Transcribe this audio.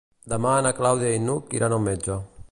Demà na Clàudia i n'Hug iran al metge.